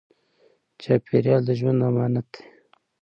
چاپېریال د ژوند امانت دی.